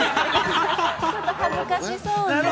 恥ずかしそうに。